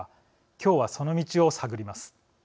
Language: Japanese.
今日はその道を探ります。